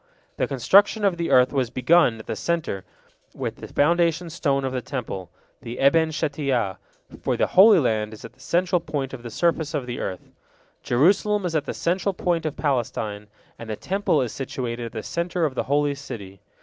The construction of the earth was begun at the centre, with the foundation stone of the Temple, the Eben Shetiyah, for the Holy Land is at the central point of the surface of the earth, Jerusalem is at the central point of Palestine, and the Temple is situated at the centre of the Holy City.